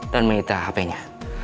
dan menginter hp nya